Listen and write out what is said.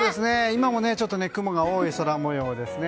今も雲が多い空模様ですね。